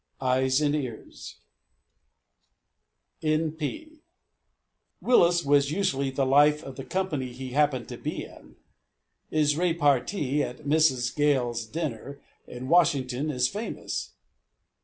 Eyes and Ears. N. P. Willis was usually the life of the company he happened to be in. His repartee at Mrs. Gales's dinner in Washington is famous.